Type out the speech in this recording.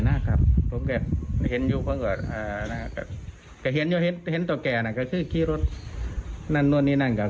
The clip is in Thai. เจ้าหองบ้านวิศนุว่าโอ้ยผมทะเลาะกับน้าบ่อยคือน้าชอบส่งเสียงดังโวยวาย